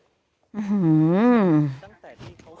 อือหือ